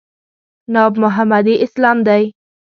ناب محمدي اسلام دی.